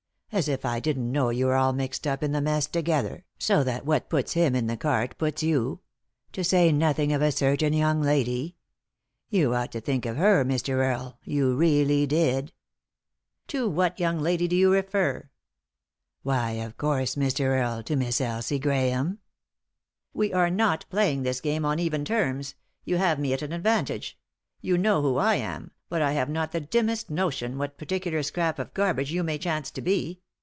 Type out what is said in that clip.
As if I didn't know you are all mixed up in the mess together, so that what puts him in the cart puts you. To say nothing of a certain young lady. You ought to think of her Mr. Earie, you really did." 371 3i 9 iii^d by Google THE INTERRUPTED KISS "To what young lady do you refer ?" "Why, of course, Mr. Earle, to Miss Elsie Grahame." "We are not playing this game on even terms; yon hare me at an advantage. You know who I am, bat I have not the dimmest notion what particular scrap of garbage you may chance to be.